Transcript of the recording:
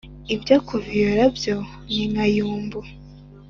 ibyo kuviyora byo ni nka yambu